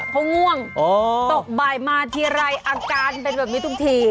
เขาง่วงตกบ่ายมาทีไรอาการเป็นแบบนี้ทุกที